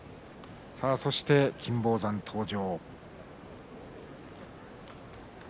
そして金峰山登場。